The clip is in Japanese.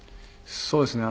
そうですね。